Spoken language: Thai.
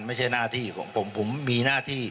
ไม่ใช่หน้าที่ของผมผมมีหน้าที่